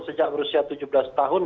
sejak berusia tujuh belas tahun